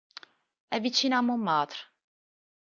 È vicina a Montmartre.